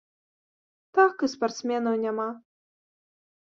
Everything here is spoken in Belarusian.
Так, і спартсменаў няма!